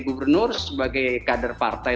gubernur sebagai kader partai